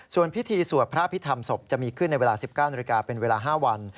ส่วนพิธีสวดพระพิธรรมศพจะมีขึ้นในเวลา๑๙นาฬิกาเป็นเวลา๕วัน